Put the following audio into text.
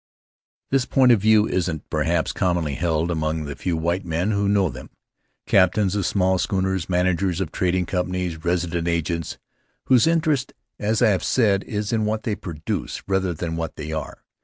This point of view isn't, perhaps, commonly held among the few white men who know them — captains of small schooners, managers of trading companies, resident agents, whose interest, as I have said, is in what they produce rather than in what they are.